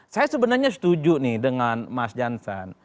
saya sebenarnya setuju nih dengan mas jansan